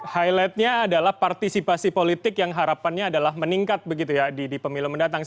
highlightnya adalah partisipasi politik yang harapannya adalah meningkat begitu ya di pemilu mendatang